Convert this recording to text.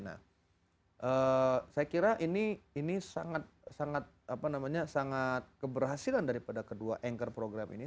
nah saya kira ini sangat keberhasilan daripada kedua anchor program ini